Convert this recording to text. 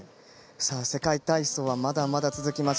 世界体操は、まだまだ続きます。